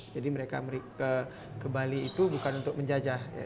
jadi mereka ke bali itu bukan untuk menjajah